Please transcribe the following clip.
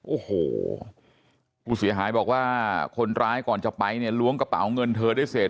โอ้โหผู้เสียหายบอกว่าคนร้ายก่อนจะไปเนี่ยล้วงกระเป๋าเงินเธอได้เสร็จ